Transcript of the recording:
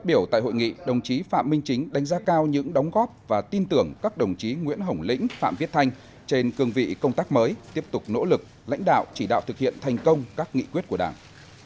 điều động phân công chỉ định đồng chí phạm minh chính đánh giá cao những đóng góp và tin tưởng các đồng chí nguyễn hồng lĩnh phạm viết thanh trên cương vị công tác mới tiếp tục nỗ lực lãnh đạo chỉ đạo thực hiện thành công các nghị quyết của đảng